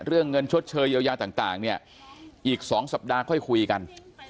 เรื่องเงินชดเชยเยาต่างอีก๒สัปดาห์ค่อยคุยกัน